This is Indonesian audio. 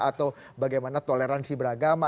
atau bagaimana toleransi beragama